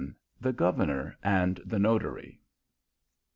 THE GOVERNOR AND THE NOTARY.